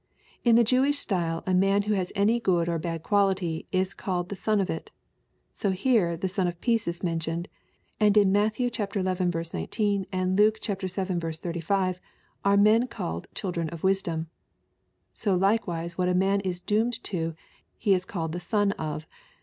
" In the Jewish style a man who has any good or bad quality, is called the son of it. So here the son of peace is mentioned ; and in Matt xi. 19, and Luke vii. 35, are men called children of wisdom. So likewise what a man is doomed to, he is called the son of.